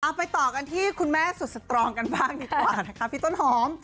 ไปต่อกันที่คุณแม่สุดสตรองกันบ้างดีกว่านะคะพี่ต้นหอม